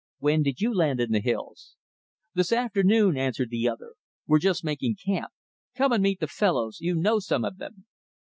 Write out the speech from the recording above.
"When did you land in the hills?"' "This afternoon," answered the other. "We're just making camp. Come and meet the fellows. You know some of them."